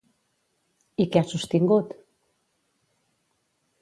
I què ha sostingut?